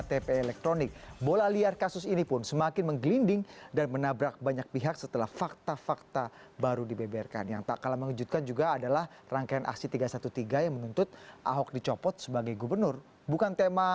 tapi tetap saja setiap persidangan selalu ada fakta fakta baru yang menggegerkan